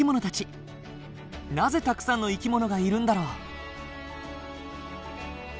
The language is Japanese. なぜたくさんの生き物がいるんだろう？